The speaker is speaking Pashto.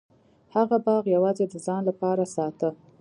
هغه باغ یوازې د ځان لپاره ساته.